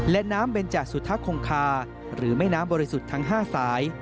และน้ำเบนจสุธคงคาหรือแม่น้ำบริสุทธิ์ทั้ง๕สาย